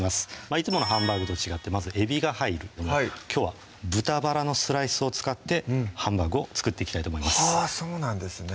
いつものハンバーグと違ってまずえびが入るきょうは豚バラのスライスを使ってハンバーグを作っていきたいと思いますそうなんですね